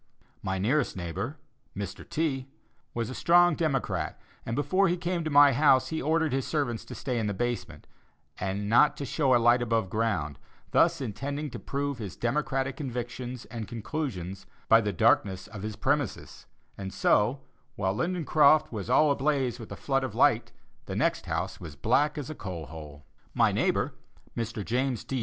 My nearest neighbor, Mr. T., was a strong Democrat, and before he came to my house, he ordered his servants to stay in the basement, and not to show a light above ground, thus intending to prove his Democratic convictions and conclusions by the darkness of his "premises"; and so, while Lindencroft was all ablaze with a flood of light, the next house was as black as a coal hole. My neighbor, Mr. James D.